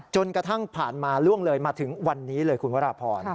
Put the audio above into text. จนกระทั่งผ่านมาล่วงเลยมาถึงวันนี้เลยคุณวราพร